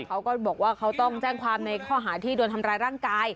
เขาก็บอกว่าเขาต้องแจ้งความในข้อหาที่โดนทำร้ายร่างกาย